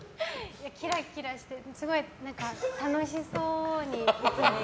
キラキラしててすごい楽しそうに。